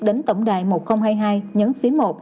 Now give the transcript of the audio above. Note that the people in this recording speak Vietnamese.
đến tổng đài một nghìn hai mươi hai nhấn phí một